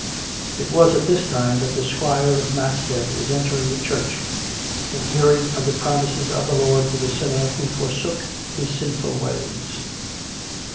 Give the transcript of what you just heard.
(It was at this time that the squire of Matstead was entering the church and hearing of the promises of the Lord to the sinner who forsoek his sinful ways.)